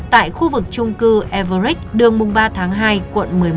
tại khu vực trung cư everic đường mùng ba tháng hai quận một mươi một